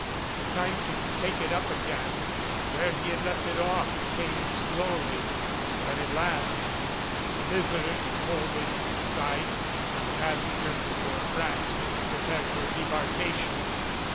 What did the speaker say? The time to take it up again where he had left it off came slowly, but at last the Lizard hove into sight and the pas sengers for France prepared for debarkation.